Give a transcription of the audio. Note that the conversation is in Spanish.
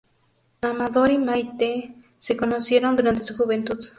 Amador y Maite se conocieron durante su juventud.